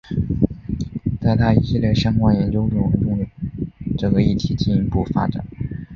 在他一系列相关研究论文中这个议题进一步发展。